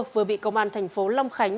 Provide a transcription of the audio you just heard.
vừa bị công an thành phố lãi